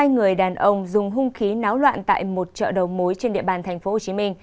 hai người đàn ông dùng hung khí náo loạn tại một chợ đầu mối trên địa bàn tp hcm